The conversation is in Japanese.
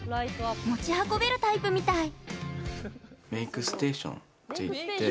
持ち運べるタイプみたい。